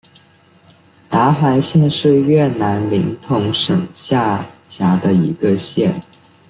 达怀县是越南林同省下辖的一个县。